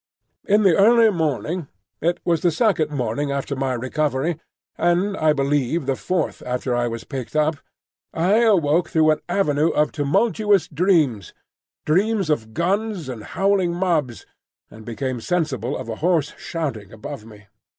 In the early morning (it was the second morning after my recovery, and I believe the fourth after I was picked up), I awoke through an avenue of tumultuous dreams,—dreams of guns and howling mobs,—and became sensible of a hoarse shouting above me.